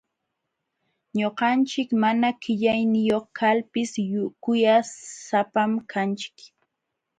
Ñuqanchik mana qillayniyuq kalpis kuyaysapam kanchik.